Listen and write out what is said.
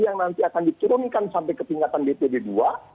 yang nanti akan dicurungkan sampai ke tingkatan dtd dua